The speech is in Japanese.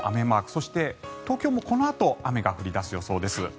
そして、東京もこのあと雨が降り出す予想です。